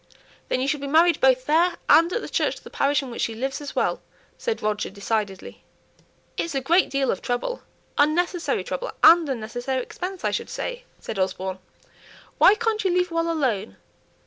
"Then you shall be married both there and at the church of the parish in which she lives as well," said Roger, decidedly. "It's a great deal of trouble, unnecessary trouble, and unnecessary expense, I should say," said Osborne. "Why can't you leave well alone?